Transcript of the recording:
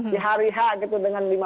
di hari hari dengan